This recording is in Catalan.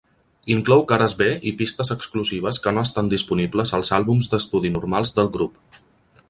Inclou cares B i pistes exclusives que no estan disponibles als àlbums d'estudi normals del grup.